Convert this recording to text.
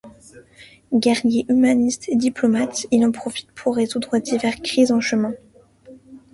Guerrier humaniste et diplomate, il en profite pour résoudre divers crises en chemin.